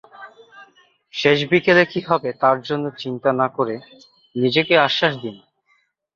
শেষ বিকেলে কী হবে তার জন্য চিন্তা না করে নিজেকে আশ্বাস দিন।